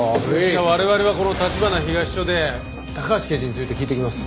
じゃあ我々はこの立花東署で高橋刑事について聞いてきます。